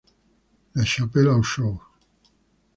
La Chapelle-aux-Choux